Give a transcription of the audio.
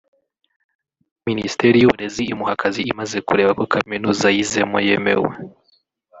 Minisiteri y’Uburezi imuha akazi imaze kureba ko Kaminuza yizemo yemewe”